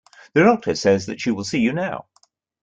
The doctor says that she will see you now.